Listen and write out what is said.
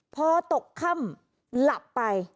พอตกค่ำหลับไป